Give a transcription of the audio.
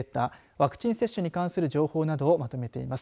ワクチン接種に関する情報などをまとめています。